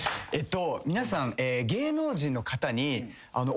皆さん。